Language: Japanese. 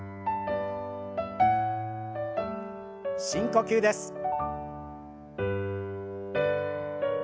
深呼吸です。